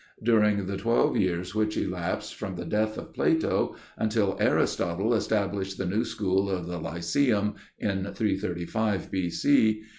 During the twelve years which elapsed from the death of Plato until Aristotle established the new school of the Lyceum (in 335 B.C.)